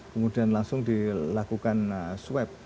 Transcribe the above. kemudian langsung dilakukan swab